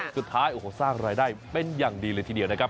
สุดท้ายโอ้โหสร้างรายได้เป็นอย่างดีเลยทีเดียวนะครับ